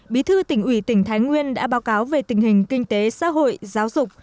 bí thư tỉnh ủy tỉnh thái nguyên đã báo cáo về tình hình kinh tế xã hội giáo dục